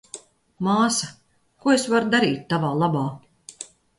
Māsa, ko es varu darīt tavā labā?